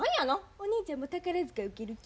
お姉ちゃんも宝塚受ける気？